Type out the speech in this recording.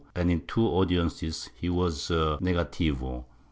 7I 1692, and in two audiences he was a negativo.